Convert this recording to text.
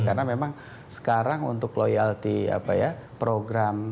karena memang sekarang untuk loyalty program